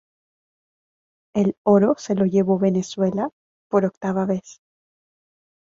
El oro se lo llevó Venezuela por octava vez.